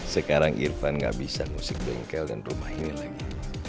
sekarang irfan gak bisa musik bengkel dan rumah ini lagi